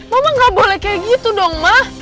mama gak boleh kayak gitu dong mah